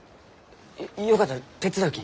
よかったら手伝うき。